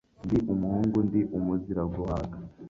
Ndi umuhungu ndi umuzira guhunga.